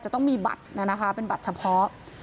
จะต้องมีบัตรนะคะเป็นบัตรเฉพาะ